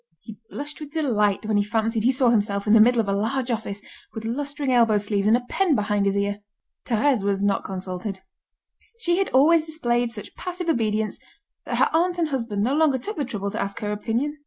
He blushed with delight when he fancied he saw himself in the middle of a large office, with lustring elbow sleeves, and a pen behind his ear. Thérèse was not consulted: she had always displayed such passive obedience that her aunt and husband no longer took the trouble to ask her opinion.